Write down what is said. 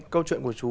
câu chuyện của chú